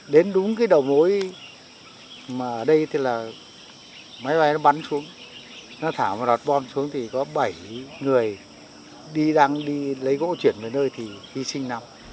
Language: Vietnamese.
đến đúng cái đầu mối mà ở đây thì là máy bay nó bắn xuống nó thả và đặt bom xuống thì có bảy người đi đang đi lấy gỗ chuyển về nơi thì hy sinh năm